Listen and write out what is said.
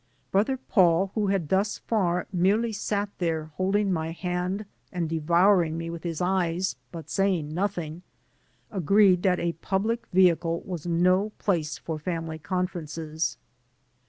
Brother Paul, who had thus far merely sat there holding my hand and devouring me with his eyes but saying nothing, agreed that a public vehicle was no place for family conferences.